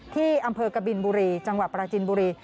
ที่อำเภอกบินบุรีจังหวัดปราจินบุรี